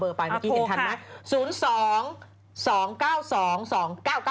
เมื่อกี้เห็นทันนะ๐๒๒๙๒๒๙๙๙ต่อ๓๒๑๐ค่ะ